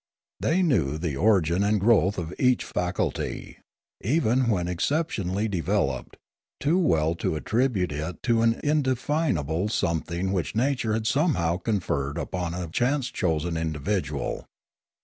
They knew the origin and growth of each faculty, even when exceptionally de veloped, too well to attribute it to an indefinable some thing which nature had somehow conferred upon a chance chosen individual.